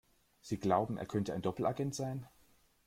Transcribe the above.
Sie glauben, er könnte ein Doppelagent sein?